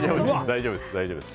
大丈夫です。